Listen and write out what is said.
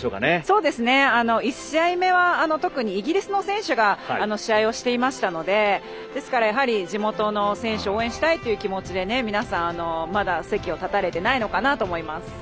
そうですね、１試合目は特にイギリスの選手が試合をしていましたのでですから、地元の選手を応援したいという気持ちで皆さん、まだ席を立たれてないのかなと思います。